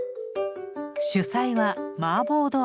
主菜はマーボー豆腐。